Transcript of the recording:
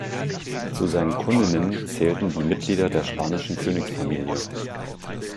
Zu seinen Kundinnen zählten die Mitglieder der spanischen Königsfamilie.